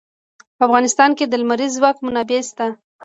په افغانستان کې د لمریز ځواک منابع شته.